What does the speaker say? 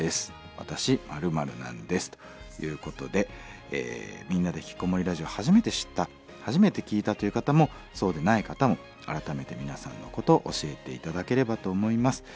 「わたし○○なんです」ということで「みんなでひきこもりラジオ」初めて知った初めて聴いたという方もそうでない方も改めて皆さんのこと教えて頂ければと思います。